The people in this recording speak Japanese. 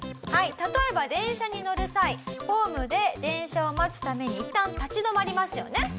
例えば電車に乗る際ホームで電車を待つためにいったん立ち止まりますよね。